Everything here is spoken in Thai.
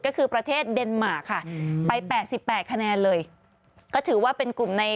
ก็คือประเทศเดนมาร์ค่ะไปแปดสิบแปดคะแนนเลยก็ถือว่าเป็นกลุ่มใน